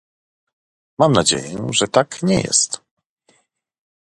Mam nadzieję, że tak nie jest!